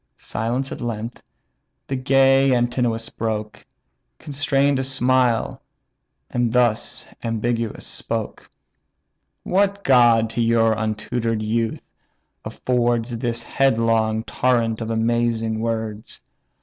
Silence at length the gay Antinous broke, Constrain'd a smile, and thus ambiguous spoke: "What god to your untutor'd youth affords This headlong torrent of amazing words?